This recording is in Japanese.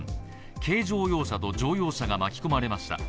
軽乗用車と乗用車が巻き込まれました。